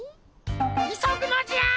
いそぐのじゃ！